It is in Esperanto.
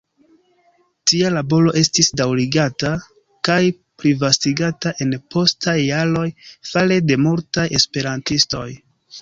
Tia laboro estis daŭrigata kaj plivastigata en postaj jaroj, fare de multaj esperantistoj.